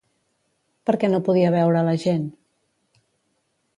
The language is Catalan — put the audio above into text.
Per què no podia veure a la gent?